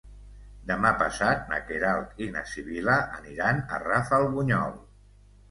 Demà passat na Queralt i na Sibil·la aniran a Rafelbunyol.